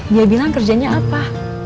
dia bilang kerjanya apa